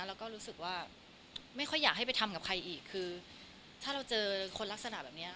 แล้วก็รู้สึกว่าไม่ค่อยอยากให้ไปทำกับใครอีกคือถ้าเราเจอคนลักษณะแบบนี้